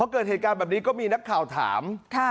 เกิดเหตุการณ์แบบนี้ก็มีนักข่าวถาม